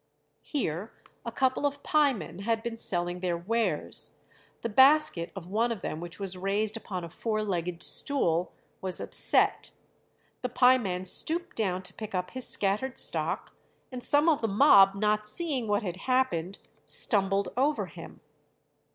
Here a couple of piemen had been selling their wares; the basket of one of them, which was raised upon a four legged stool, was upset. The pieman stooped down to pick up his scattered stock, and some of the mob, not seeing what had happened, stumbled over him.